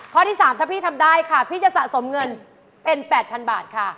ข้อที่๓ถ้าพี่ทำได้ค่ะพี่จะสะสมเงินเป็น๘๐๐๐บาทค่ะ